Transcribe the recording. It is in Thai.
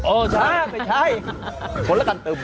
เออช้าไม่ใช่คนละกันตึม